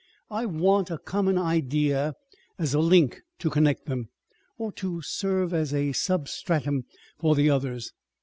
I want a common idea as a link to connect them, or to serve as a substratum for the others.